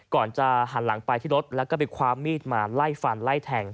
ก่อนจะหันหลังไปที่รถแล้วก็ไปคว้ามีดมาไล่ฟันไล่แทง